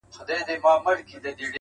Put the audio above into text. • پر هغې ورځي لعنت سمه ویلای -